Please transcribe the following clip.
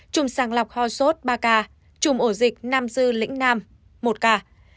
chủng sàng lọc ho sốt ba ca chủng ổ dịch nam dư lĩnh nam một ca